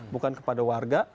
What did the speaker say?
bukan kepada warga